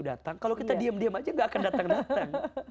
datang kalau kita diam diam aja gak akan datang datang